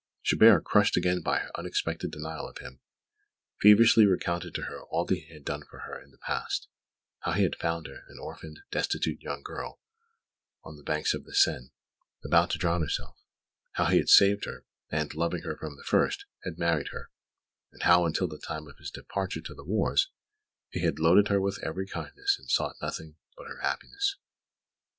Chabert, crushed again by her unexpected denial of him, feverishly recounted to her all that he had done for her in the past how he had found her, an orphaned, destitute young girl, on the banks of the Seine, about to drown herself; how he had saved her, and, loving her from the first, had married her; and how, until the time of his departure to the wars, he had loaded her with every kindness and sought nothing but her happiness.